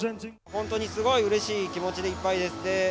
本当にすごいうれしい気持ちでいっぱいです。